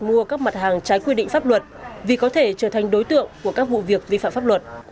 không tự ý đặt mua các mặt hàng trái quy định pháp luật vì có thể trở thành đối tượng của các vụ việc vi phạm pháp luật